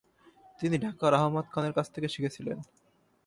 তিনি ঢাকার আহমদ খানের কাছ থেকে শিখেছিলেন।